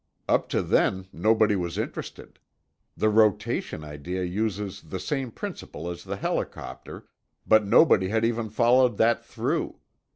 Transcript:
"Up to then, nobody was interested. The rotation idea uses the same principle as the helicopter, but nobody had even followed that through.